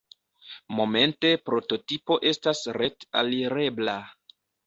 Momente prototipo estas ret-alirebla.